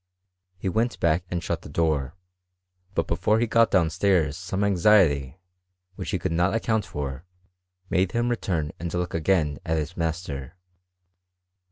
He went back and shut the door ; but beibm he got down stairs some anxiety, which he could not account for, made him return and look again at hit master.